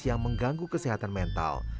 yang mengganggu kesehatan mental